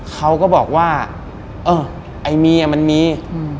เขาก็บอกว่าเออไอ้มีอ่ะมันมีอืม